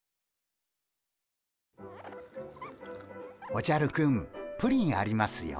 おじゃるくんプリンありますよ。